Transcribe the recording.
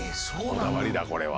こだわりだこれは。